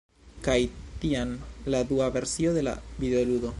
kaj tiam la dua versio de la videoludo